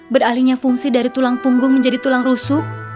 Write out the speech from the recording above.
beralihnya fungsi dari tulang punggung menjadi tulang rusuk